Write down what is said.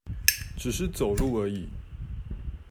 只是走路而已